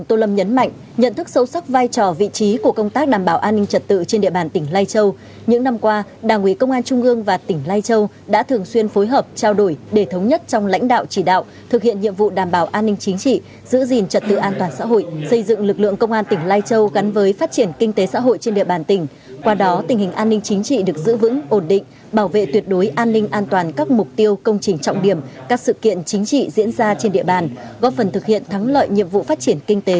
tô lâm nhấn mạnh nhận thức sâu sắc vai trò vị trí của công tác đảm bảo an ninh trật tự trên địa bàn tỉnh lai châu những năm qua đảng ủy công an trung ương và tỉnh lai châu đã thường xuyên phối hợp trao đổi để thống nhất trong lãnh đạo chỉ đạo thực hiện nhiệm vụ đảm bảo an ninh chính trị giữ gìn trật tự an toàn xã hội xây dựng lực lượng công an tỉnh lai châu gắn với phát triển kinh tế xã hội trên địa bàn tỉnh qua đó tình hình an ninh chính trị được giữ vững ổn định bảo vệ tuyệt đối an